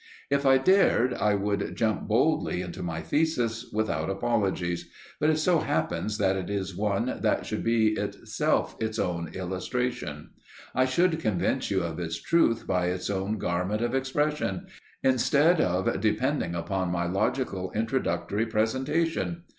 If I dared I would jump boldly into my thesis, without apologies; but it so happens that it is one that should be itself its own illustration. I should convince you of its truth by its own garment of expression, instead of depending upon my logical introductory presentation.